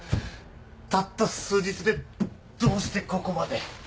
たった数日でどうしてここまで。